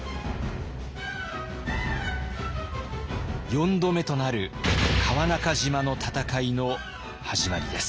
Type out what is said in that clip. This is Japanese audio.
４度目となる川中島の戦いの始まりです。